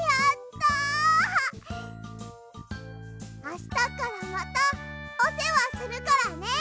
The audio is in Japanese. あしたからまたおせわするからね。